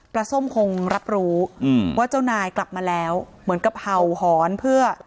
ส้มคงรับรู้ว่าเจ้านายกลับมาแล้วเหมือนกับเห่าหอนเพื่อ